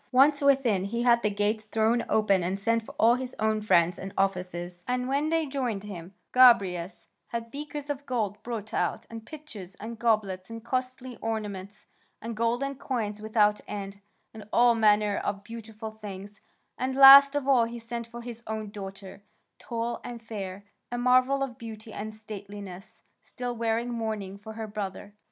Once within, he had the gates thrown open and sent for all his own friends and officers. And when they joined him, Gobryas had beakers of gold brought out, and pitchers, and goblets, and costly ornaments, and golden coins without end, and all manner of beautiful things, and last of all he sent for his own daughter, tall and fair, a marvel of beauty and stateliness, still wearing mourning for her brother.